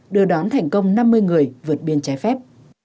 đưa đón thành công năm mươi người vượt biên trái phép